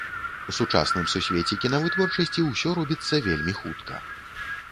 У сучасным сусвеце кінавытворчасці ўсё робіцца вельмі хутка.